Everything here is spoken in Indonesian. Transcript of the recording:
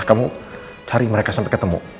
kamu cari mereka sampai ketemu